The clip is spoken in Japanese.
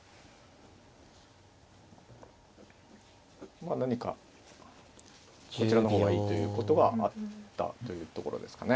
まあ何かこちらの方がいいということがあったというところですかね。